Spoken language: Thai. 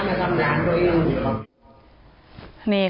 ไม่พ็นตอมต่องอืม